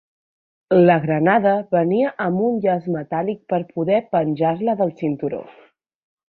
La granada venia amb un llaç metàl·lic per poder penjar-la del cinturó.